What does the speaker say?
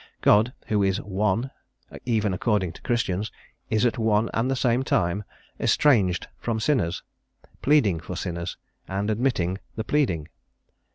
God, who is One, even according to Christians, is at one and the same time estranged from sinners, pleading for sinners, and admitting the pleading.